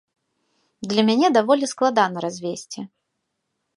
Для мяне даволі складана развесці.